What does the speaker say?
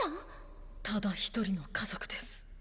ただ一人の家族です。